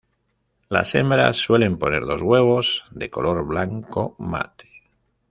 Las hembras suelen poner dos huevos de color blanco mate.